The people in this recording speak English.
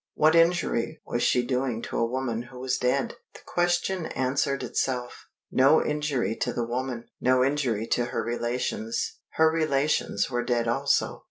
What injury was she doing to a woman who was dead? The question answered itself. No injury to the woman. No injury to her relations. Her relations were dead also.